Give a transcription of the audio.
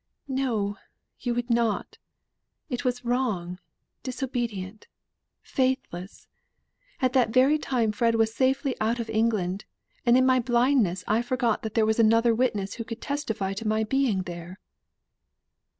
"No, you would not. It was wrong, disobedient, faithless. At that very time Fred was safely out of England, and in my blindness I forgot that there was another witness who could testify to my being there."